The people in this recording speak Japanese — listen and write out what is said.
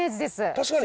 確かに！